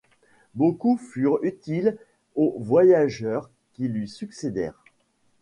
Beaucoup furent utiles aux voyageurs qui lui succédèrent.